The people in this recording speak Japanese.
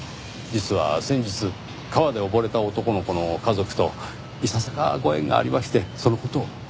実は先日川で溺れた男の子の家族といささかご縁がありましてその事を。